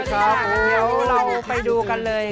บ๊าบลูกจิ๋นเราไปดูกันเลย